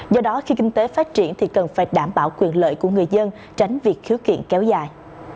do đó khi kinh tế phát triển thì cần phải đảm bảo quyền lợi của người dân tránh việc khiếu kiện kéo dài